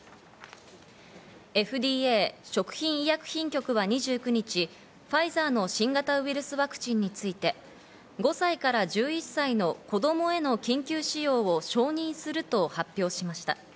ＦＤＡ＝食品医薬品局は２９日、ファイザーの新型ウイルスワクチンについて５歳から１１歳の子供への緊急使用を承認すると発表しました。